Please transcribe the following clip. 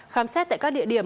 khám xét tại các địa điểm